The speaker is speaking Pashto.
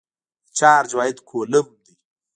د چارج واحد کولم دی.